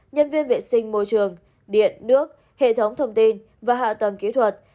nhân viên vệ sinh môi trường điện nước hệ thống thông tin và hạ tầng kỹ thuật